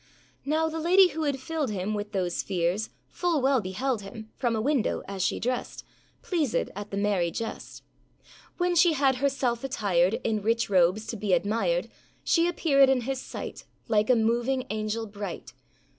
Now the lady who had filled him With those fears, full well beheld him From a window, as she dressed, Pleasèd at the merry jest. When she had herself attired In rich robes, to be admired, She appearèd in his sight, Like a moving angel bright.